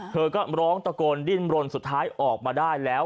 เธอก็ร้องตะโกนดิ้นรนสุดท้ายออกมาได้แล้ว